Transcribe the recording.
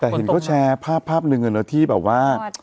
แต่เห็นก็แอยร์ฟาฟนึงอ่ะที่แบบว่า